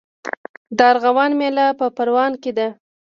د ارغوان میله په پروان کې ده.